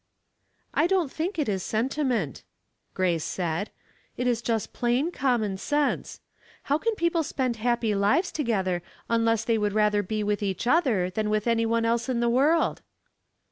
"I don't think it is sentiment," Grace said. " It is just plain, common sense. How can people spend happy lives together unless they would rather be with each other than with any one else in the world